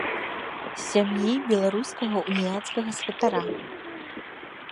З сям'і беларускага уніяцкага святара.